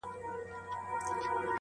د بشريت له روحه وباسه ته.